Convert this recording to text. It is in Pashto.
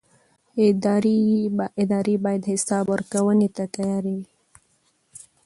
ادارې باید حساب ورکونې ته تیار وي